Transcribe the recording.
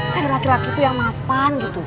cari laki laki itu yang mapan gitu